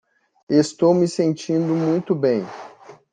Estou me sentindo muito bem.